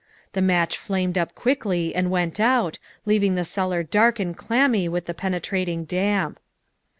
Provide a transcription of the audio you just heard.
The match flamed up quickly and went out, leaving the cellar dark and clammy with the penetrating damp.